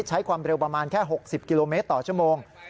ใช้ความเร็วประมาณแค่๖๐กิโลเมตรต่อชั่วโมง